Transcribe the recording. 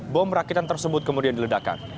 bom rakitan tersebut kemudian diledakan